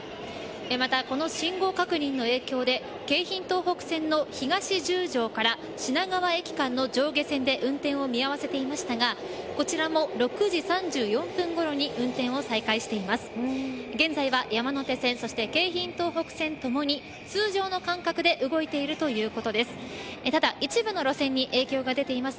また、この信号確認の影響で京浜東北線の東十条から品川駅間の上下線で運転を見合わせていましたがこちらも午前６時３４分ごろに運転を再開しています。